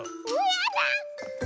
やだ！